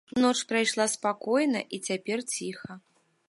Ноч прайшла спакойна і цяпер ціха.